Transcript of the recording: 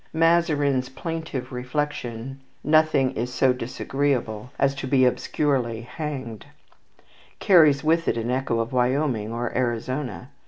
Mazarin's plaintive reflection, "Nothing is so disagreeable as to be obscurely hanged," carries with it an echo of Wyoming or Arizona.